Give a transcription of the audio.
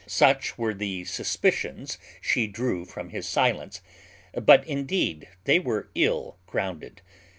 Such were the suspicions she drew from his silence; but indeed they were ill grounded.